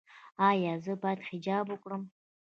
ایا زه باید حجاب وکړم؟